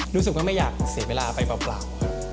รู้สึกว่าไม่อยากเสียเวลาไปเปล่าครับ